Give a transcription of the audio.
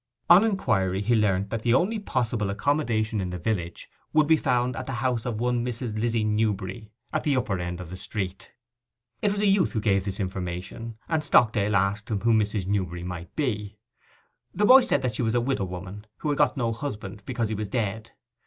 On inquiry he learnt that the only possible accommodation in the village would be found at the house of one Mrs. Lizzy Newberry, at the upper end of the street. It was a youth who gave this information, and Stockdale asked him who Mrs. Newberry might be. The boy said that she was a widow woman, who had got no husband, because he was dead.